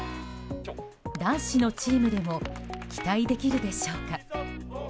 男子のチームでも期待できるでしょうか。